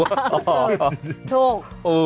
ถูก